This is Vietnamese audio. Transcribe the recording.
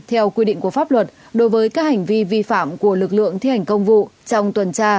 theo quy định của pháp luật đối với các hành vi vi phạm của lực lượng thi hành công vụ trong tuần tra